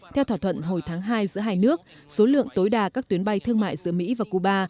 theo thỏa thuận hồi tháng hai giữa hai nước số lượng tối đa các tuyến bay thương mại giữa mỹ và cuba